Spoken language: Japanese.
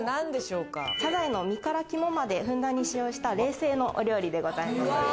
サザエの身から肝までふんだんに使用した、冷製のお料理でございます。